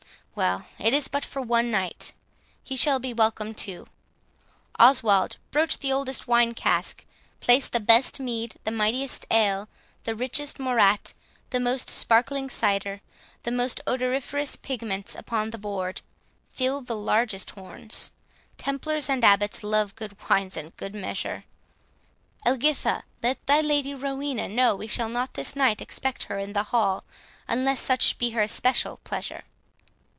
—Well; it is but for one night; he shall be welcome too.—Oswald, broach the oldest wine cask; place the best mead, the mightiest ale, the richest morat, the most sparkling cider, the most odoriferous pigments, upon the board; fill the largest horns 13 —Templars and Abbots love good wines and good measure.—Elgitha, let thy Lady Rowena, know we shall not this night expect her in the hall, unless such be her especial pleasure."